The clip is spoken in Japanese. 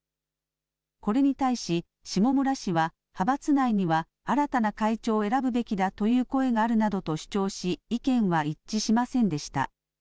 これに対し下村氏は、派閥内には新たな会長を選ぶべきだという声があるなどと主張し、意見は一致しませんでした。